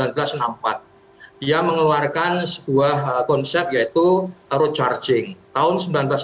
dia mengeluarkan sebuah konsep yaitu road charging tahun seribu sembilan ratus sembilan puluh